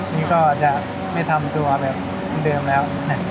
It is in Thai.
นี่ก็จะไม่ทำตัวแบบเหมือนเดิมแล้ว